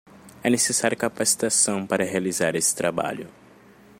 É necessário capacitação para realizar esse trabalho.